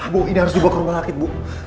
bu ini harus dibawa ke rumah sakit bu